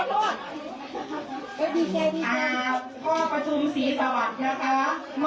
เอ้าพอประชุมศรีสวรรค์นะคะ